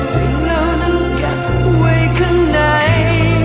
สิ่งเหล่านั้นเก็บไว้ข้างใน